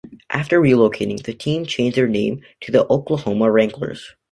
After relocating, the team changed their name to the Oklahoma Wranglers.